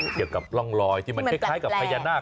เกี่ยวกับร่องรอยที่มันคล้ายกับพญานาค